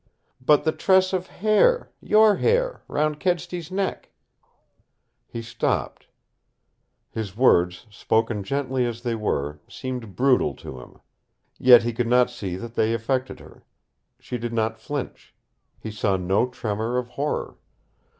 "But the tress of hair your hair round Kedsty's neck " He stopped. His words, spoken gently as they were, seemed brutal to him. Yet he could not see that they affected her. She did not flinch. He saw no tremor of horror.